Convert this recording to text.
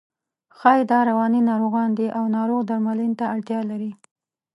ښایي دا رواني ناروغان وي او ناروغ درملنې ته اړتیا لري.